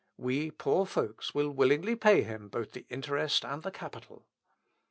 We poor folks will willingly pay him both the interest and the capital."